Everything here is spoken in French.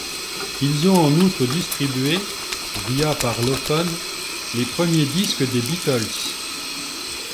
Ils ont en outre distribué via Parlophone les premiers disques des Beatles.